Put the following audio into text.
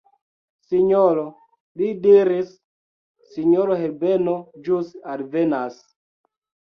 Sinjoro, li diris, sinjoro Herbeno ĵus alvenas.